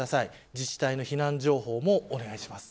自治体の避難情報もお願いします。